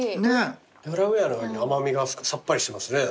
デラウェアのわりに甘味がさっぱりしてますね。